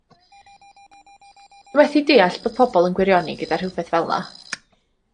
Dw i methu deall bod pobol yn gwirioni gyda rhywbeth fel 'na.